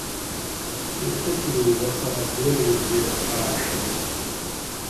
تے تتھیں وخہ ڈولیں کیر پاۤٹ ڛاۤنش